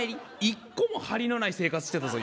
一個もハリのない生活してたぞ